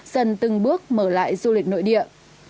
dân từng bước mở lại du lịch nội địa